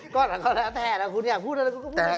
ก็ทั้งข้างแท้แล้วคุณอยากพูดอะไรก็พูดดี